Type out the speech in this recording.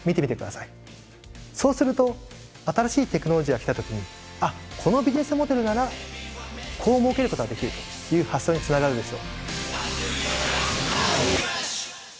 そうすると新しいテクノロジーが来た時にあっこのビジネスモデルならこうもうけることができるという発想につながるでしょう。